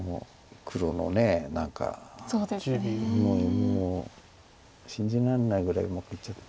もう信じられないぐらいうまくいっちゃって。